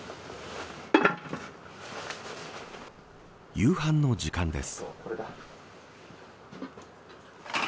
夕飯の時間です。